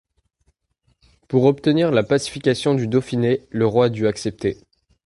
Pour obtenir la pacification du Dauphiné, le roi a dû accepter.